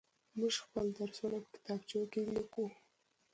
موږ خپل درسونه په کتابچو کې ليكو.